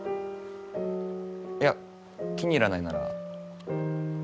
いや気に入らないなら。